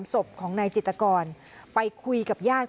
ศพของนายจิตกรไปคุยกับญาติ